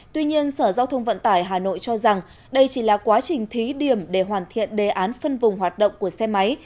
tuy nhiên sở giao thông vận tải hà nội cho rằng đây chỉ là quá trình thí điểm để hoàn thiện đề án phân vùng hoạt động của xe máy